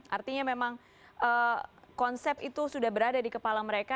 artinya memang konsep itu sudah berada di kepala mereka